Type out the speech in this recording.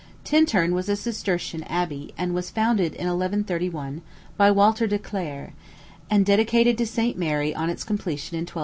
Tintern was a Cistercian abbey, and was founded in 1131, by Walter de Clare, and dedicated to St. Mary on its completion in 1287.